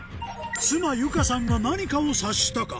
妻由夏さんが何かを察したか